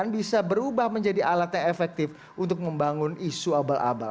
bisa berubah menjadi alat yang efektif untuk membangun isu abal abal